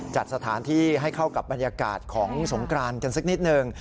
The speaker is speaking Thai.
จัดสถานที่ให้เข้ากับบรรยากาศของสงกรานกันสักนิดหนึ่ง